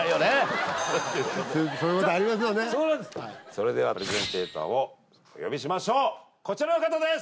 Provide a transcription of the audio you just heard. それではプレゼンターをお呼びしましょうこちらの方です